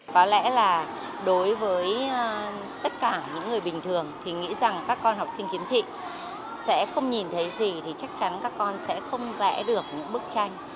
có lẽ là đối với tất cả những người bình thường thì nghĩ rằng các con học sinh khiếm thị sẽ không nhìn thấy gì thì chắc chắn các con sẽ không vẽ được những bức tranh